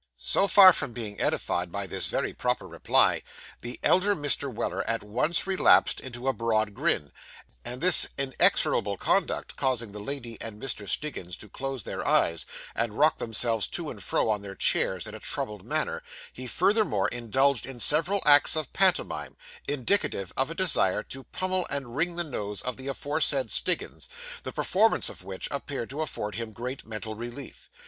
So far from being edified by this very proper reply, the elder Mr. Weller at once relapsed into a broad grin; and this inexorable conduct causing the lady and Mr. Stiggins to close their eyes, and rock themselves to and fro on their chairs, in a troubled manner, he furthermore indulged in several acts of pantomime, indicative of a desire to pummel and wring the nose of the aforesaid Stiggins, the performance of which, appeared to afford him great mental relief.